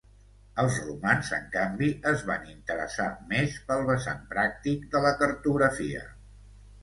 Els romans, en canvi, es van interessar més pel vessant pràctic de la cartografia.